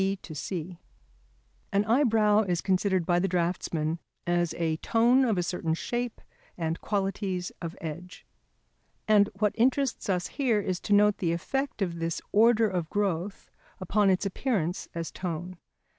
B to C. An eyebrow is considered by the draughtsman as a tone of a certain shape and qualities of edge. And what interests us here is to note the effect of this order of growth upon its appearance as tone.